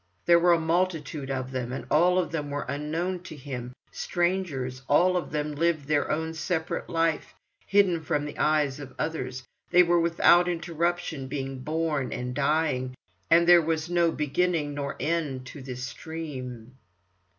There were a multitude of them, and all of them were unknown to him—strangers; and all of them lived their own separate life, hidden from the eyes of others; they were without interruption being born, and dying, and there was no beginning nor end to this stream.